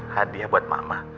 hadiah buat mama